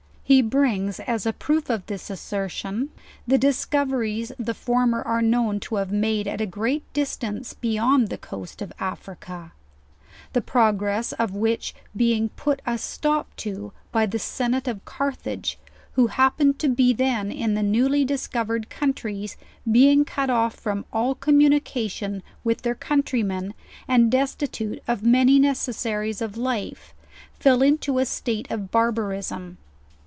He brings as a proof of this assertion the discoveries the former are known to have made at a great distance beyound the coast of Africa. The pro gress of which being put a stop to by the senate of Carthags those who happened to be then in the newly discovered coun tries, being cut off from all communication with their coun trymen, and destitute of many necessaries of life, fell into a state of barbarism.